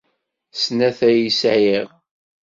Snat ay sɛiɣ.